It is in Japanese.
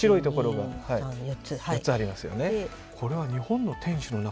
４つありますよね。